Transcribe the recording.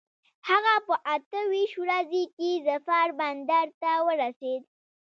هغه په اته ویشت ورځي کې ظفار بندر ته ورسېد.